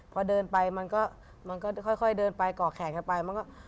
พอเดินไปมันก็ค่อยเดินไปก่อแขนกันไปมันก็